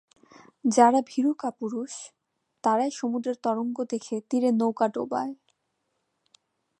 যার ভীরু কাপুরুষ, তারাই সমুদ্রের তরঙ্গ দেখে তীরে নৌকা ডোবায়।